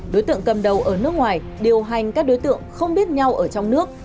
đối tượng cầm đầu ở nước ngoài điều hành các đối tượng không biết nhau ở trong nước